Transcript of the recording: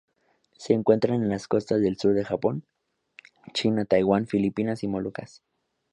Se encuentran en las costas del sur del Japón, China, Taiwán, Filipinas y Molucas.